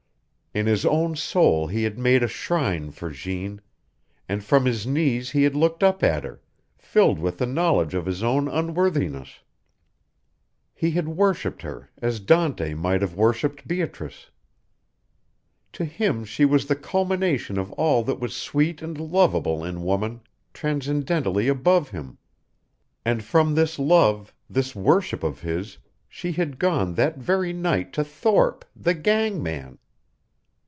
In his own soul he had made a shrine for Jeanne, and from his knees he had looked up at her, filled with the knowledge of his own unworthiness. He had worshiped her, as Dante might have worshiped Beatrice. To him she was the culmination of all that was sweet and lovable in woman, transcendently above him. And from this love, this worship of his, she had gone that very night to Thorpe, the gang man.